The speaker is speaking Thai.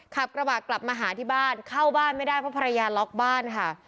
ขับกระบะกลับมาหาที่บ้านเข้าบ้านไม่ได้เพราะภรรยาล็อกบ้านค่ะ